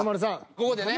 ここでね。